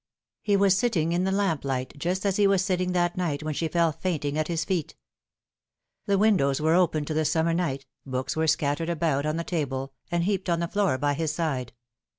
He was sitting in the lamp light, just as he was sitting that night when she fell fainting at his feet. The windows were open to the summer night, books were scattered about on the table, and heaped on the floor by his side.